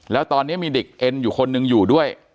แล้วตอนนี้มีเด็กเอ็นอยู่คนหนึ่งอยู่ด้วย